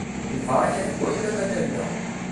Lbaṛaka deg wayla-m a Lalla.